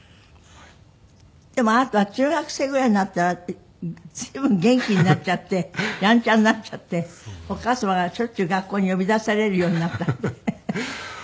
でもあなたは中学生ぐらいになったら随分元気になっちゃってヤンチャになっちゃってお母様がしょっちゅう学校に呼び出されるようになったって。